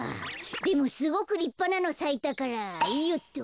でもすごくりっぱなのさいたからよっと。